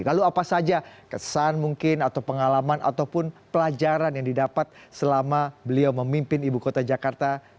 lalu apa saja kesan mungkin atau pengalaman ataupun pelajaran yang didapat selama beliau memimpin ibu kota jakarta